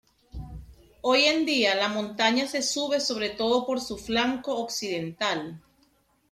Hoy en día la montaña se sube sobre todo por su flanco occidental.